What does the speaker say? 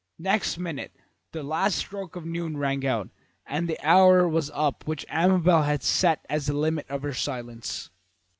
Next minute the last stroke of noon rang out, and the hour was up which Amabel had set as the limit of her silence.